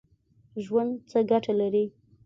ژوند څه ګټه لري ؟